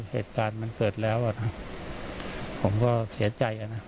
เหตุการณ์มันเกิดแล้วอ่ะนะผมก็เสียใจนะ